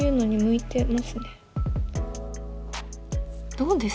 どうです？